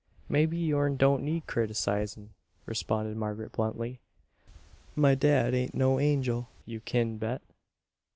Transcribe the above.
"Mebbe yourn don't need criticizin'," responded Margaret, bluntly. "My dad ain't no angel, you kin bet."